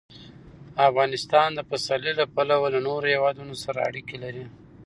افغانستان د پسرلی له پلوه له نورو هېوادونو سره اړیکې لري.